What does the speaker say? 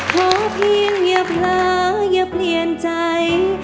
เพราะเพียงอย่าพลาอย่าเปลี่ยนใจ